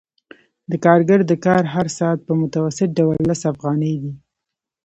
د کارګر د کار هر ساعت په متوسط ډول لس افغانۍ دی